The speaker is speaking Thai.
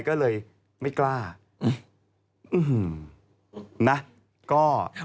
ก็เลยไม่กล้าอืมนะก็